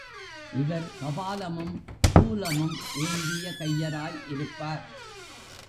இவர் கபாலமும் சூலமும் ஏந்திய கையராய் இருப்பார்.